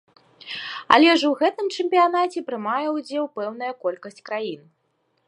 Але ж у гэтым чэмпіянаце прымае ўдзел пэўная колькасць краін.